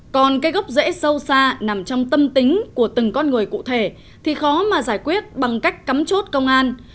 còn cái gốc rễ sâu xa nằm trong tâm tính của từng con người cụ thể thì khó mà giải quyết bằng cách cắm chốt công an